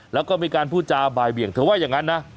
แล้วก็มีการพูดจาบ่ายเบี่ยงเธอว่าอย่างนั้นนะ